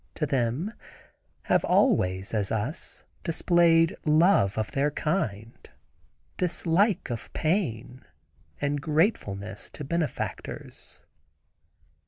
to them, have always, as us, displayed love to their kind, dislike of pain, and gratefulness to benefactors.